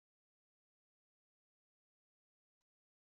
Saɛet igget ssa ɣel tedyant.